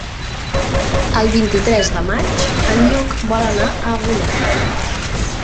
El vint-i-tres de maig en Lluc vol anar a Agullana.